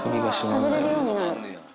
外れるようになる。